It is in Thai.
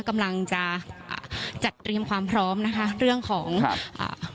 กำลังจะอ่าจัดเตรียมความพร้อมนะคะเรื่องของครับอ่า